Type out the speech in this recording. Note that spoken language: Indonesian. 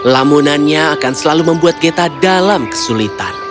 lamunannya akan selalu membuat geta dalam kesulitan